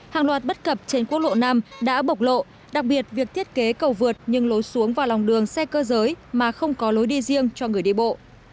hàng loạt bất cập trên quốc lộ năm đã bộc lộ đặc biệt việc thiết kế cầu vượt nhưng lối xuống vào lòng đường xe cơ giới mà không có lối đi riêng cho người đi bộ